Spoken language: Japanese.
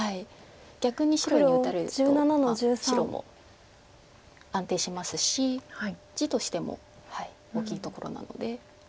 逆に白に打たれると白も安定しますし地としても大きいところなので。